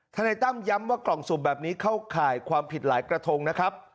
นายตั้มย้ำว่ากล่องสุ่มแบบนี้เข้าข่ายความผิดหลายกระทงนะครับ